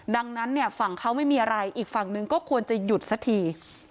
ดังนั้นเนี่ยฝั่งเขาไม่มีอะไรอีกฝั่งหนึ่งก็ควรจะหยุดสักที